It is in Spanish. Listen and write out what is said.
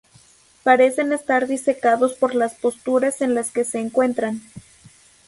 Parecen estar "disecados" por las posturas en la que se encuentran.